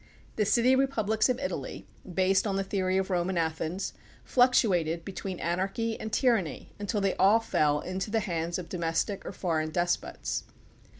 The city republics of Italy, based on the theory of Rome and Athens, fluctuated between anarchy and tyranny until they all fell into the hands of domestic or foreign despots.